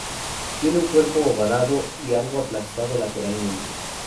Tiene un cuerpo ovalado y algo aplastado lateralmente.